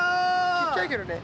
ちっちゃいけどね